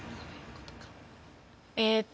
えーっと。